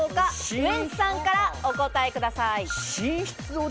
ウエンツさんからお答えください。